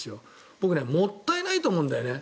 僕もったいないと思うんだよね。